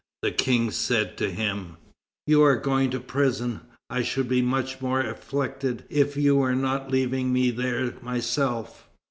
the King said to him: "You are going to prison; I should be much more afflicted if you were not leaving me there myself."